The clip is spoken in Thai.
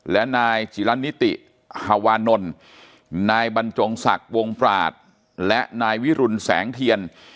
และนายจิละนิติฮาวานนท์นายบรรจงศักดิ์วงปราศและนายวิรุณแสงเทียน